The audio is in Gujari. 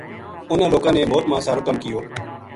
اُنھ لوکاں نے موت ما سارو کم کیو